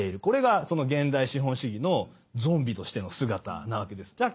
これがその現代資本主義のゾンビとしての姿なわけです。